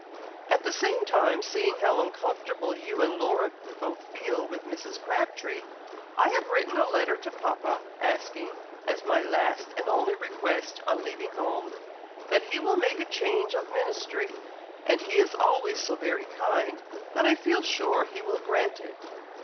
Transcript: At the same time, seeing how uncomfortable you and Laura both feel with Mrs. Crabtree, I have written a letter to papa, asking, as my last and only request on leaving home, that he will make a change of ministry, and he is always so very kind, that I feel sure he will grant it."